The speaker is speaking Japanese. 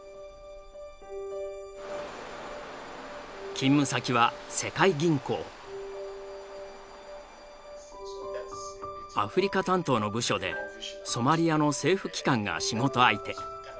勤務先はアフリカ担当の部署でソマリアの政府機関が仕事相手。